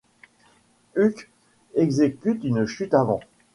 Uke exécute une chute avant.